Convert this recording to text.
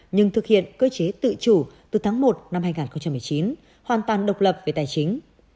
nhưng thực hiện cơ chế tự chủ từ tháng một năm hai nghìn một mươi chín hoàn toàn độc lập về tài chính